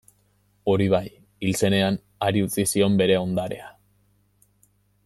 Hori bai, hil zenean, hari utzi zion bere ondarea.